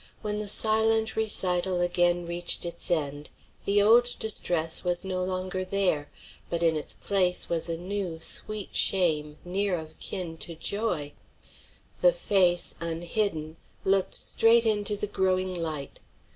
When the silent recital again reached its end, the old distress was no longer there, but in its place was a new, sweet shame near of kin to joy. The face, unhidden, looked straight into the growing light.